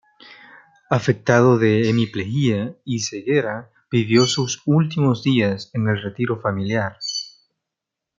Afectado de hemiplejía y ceguera, vivió sus últimos días en el retiro familiar.